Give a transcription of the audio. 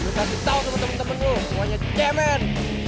gue kasih tau temen temen lo semuanya jemen